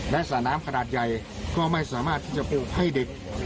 และสระน้ำขนาดใหญ่ก็ไม่สามารถที่จะปลูกให้เด็ก